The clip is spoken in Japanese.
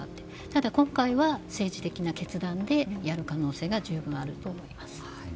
ただ、今回は政治的な決断なのでやる可能性があると思います。